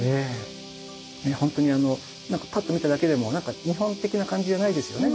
ほんとに何かパッと見ただけでも日本的な感じじゃないですよね。